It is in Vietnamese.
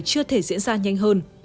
chưa thể diễn ra nhanh hơn